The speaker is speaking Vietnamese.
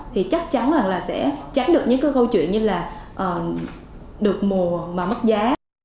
thì chắc chắn là sẽ tránh được những cái câu chuyện như là được mùa mà mất giá